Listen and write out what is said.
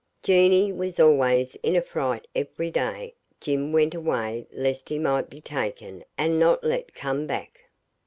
Jeanie was always in a fright every day Jim went away lest he might be taken and not let come back.